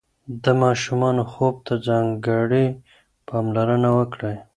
د ماشومانو خوب ته ځانګړې پاملرنه وکړئ.